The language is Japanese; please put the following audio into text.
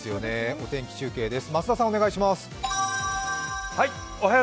お天気中継です。